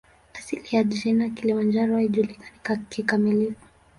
Asili ya jina "Kilimanjaro" haijulikani kikamilifu.